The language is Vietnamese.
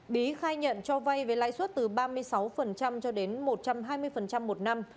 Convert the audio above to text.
bí khai nhận cho vay với lãi suất từ ba mươi sáu cho đến một trăm hai mươi một năm